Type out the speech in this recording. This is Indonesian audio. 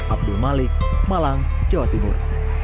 abdul malik malang jawa timur